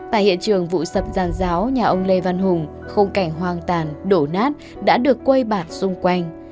tại hiện trường vụ sập giàn giáo nhà ông lê văn hùng không cảnh hoang tàn đổ nát đã được quây bản xung quanh